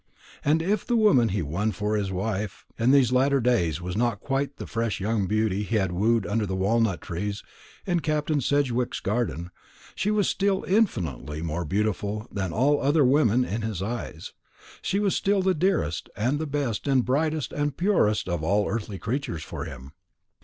And if the woman he won for his wife in these latter days was not quite the fresh young beauty he had wooed under the walnut trees in Captain Sedgewick's garden, she was still infinitely more beautiful than all other women in his eyes; she was still the dearest and best and brightest and purest of all earthly creatures for him.